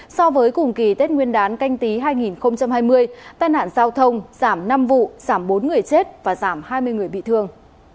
so với cùng kỳ tết nguyên đán canh tí hai nghìn hai mươi tai nạn giao thông giảm năm vụ giảm bốn người chết và giảm hai mươi người bị thương